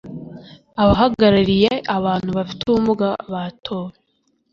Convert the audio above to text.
Abahagarariye abantu bafite ubumuga batowe